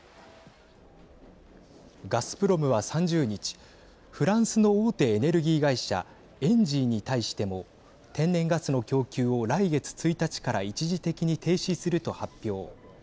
ガスプロムは、３０日フランスの大手エネルギー会社エンジーに対しても天然ガスの供給を来月１日から一時的に停止すると発表。